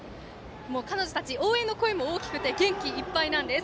彼女たち、応援の声も大きくて元気いっぱいなんです。